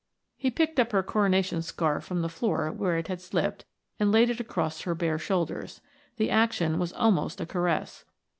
He picked up her coronation scarf from the floor where it had slipped and laid it across her bare shoulders; the action was almost a caress.